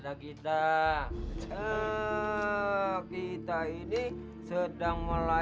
kaka akan buktikan semuanya li